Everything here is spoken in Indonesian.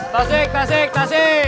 tasik tasik tasik